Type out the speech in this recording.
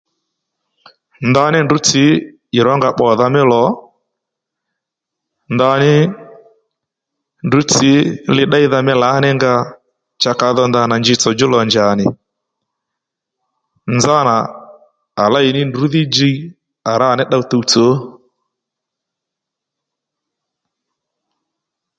Ndaní ndrǔ tsǐ ì rónga bbòdha mí lò ndaní ndrǔ tsǐ li ddéydha mí lǎ ní nga cha kadho ndana njitsò djú lò njà nì nzánà à léy ní ndrǔ dhí jiy à rǎ ò ní ddow tuwtsò